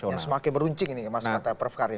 yang semakin meruncing ini ya mas kata prof karim